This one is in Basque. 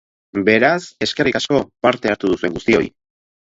Beraz, eskerrik asko parte hartu duzuen guztioi!